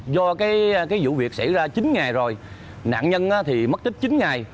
do cái vụ việc xảy ra chín ngày rồi nạn nhân thì mất tích chín ngày